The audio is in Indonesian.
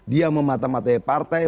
dia mematamatai partai